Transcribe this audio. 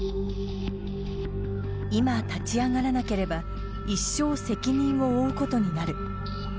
今、立ち上がらなければ一生責任を負うことになる。